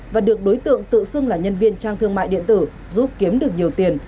và được đối tượng tự xưng là nhân viên trang thương mại điện tử giúp kiếm được nhiều tiền